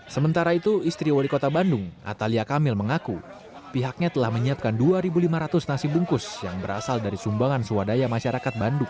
sementara itu istri wali kota bandung atalia kamil mengaku pihaknya telah menyiapkan dua lima ratus nasi bungkus yang berasal dari sumbangan swadaya masyarakat bandung